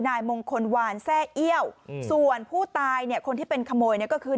นายมงคลวานแซ่เอี้ยวส่วนผู้ตายเนี่ยคนที่เป็นขโมยเนี่ยก็คือ